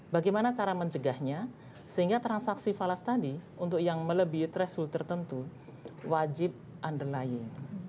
bagaimana cara mencegahnya sehingga transaksi falas tadi untuk yang melebihi threshold tertentu wajib underlying